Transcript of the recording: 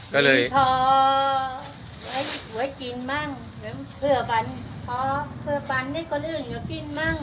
มีพอไว้กินบ้างเผื่อปัญห์ให้คนอื่นกินบ้าง